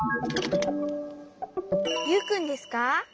ユウくんですか？